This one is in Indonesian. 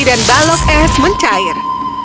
dan balok es mencair